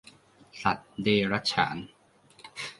สัตว์เดรัจฉาน